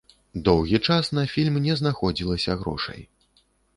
Доўгі час на фільм не знаходзілася грошай.